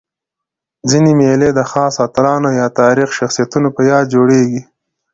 ځيني مېلې د خاصو اتلانو یا تاریخي شخصیتونو په یاد جوړيږي.